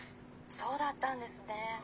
「そうだったんですね。